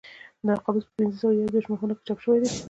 دا قاموس په پینځه سوه یو دېرش مخونو کې چاپ شوی دی.